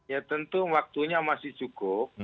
ya tentu waktunya masih cukup